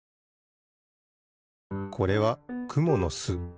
これはくものす。